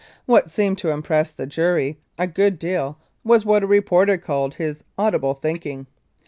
What seemed to impress the jury a good deal was what a reporter called "his audible thinking."